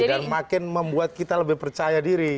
dan makin membuat kita lebih percaya diri